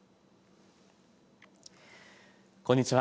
こんにちは。